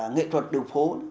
nghệ thuật đường phố